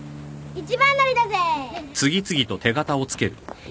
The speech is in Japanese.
二番乗りだぜぇ！